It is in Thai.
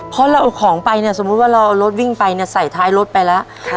เพราะเราเอาของไปเนี่ยสมมุติว่าเราเอารถวิ่งไปเนี่ยใส่ท้ายรถไปแล้ว